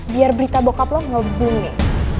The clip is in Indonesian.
biar berita bokap lo ngebunuh